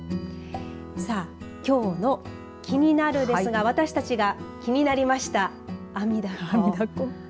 きょうのキニナル！ですが私たちが気になりましたアミダコ。